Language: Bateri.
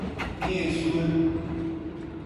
می اسکول